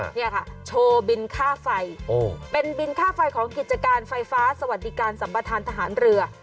เนี่ยค่ะโชว์บินค่าไฟเป็นบินค่าไฟของกิจการไฟฟ้าสวัสดิการสัมประธานทหารเรือ